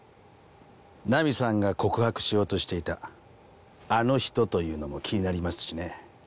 ナミさんが告白しようとしていた「あの人」というのも気になりますしね。